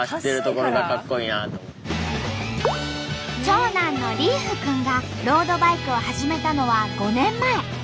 長男の琉楓くんがロードバイクを始めたのは５年前。